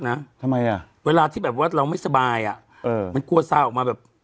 ทำไมอ่ะเวลาที่แบบว่าเราไม่สบายอ่ะเออมันกลัวซาออกมาแบบ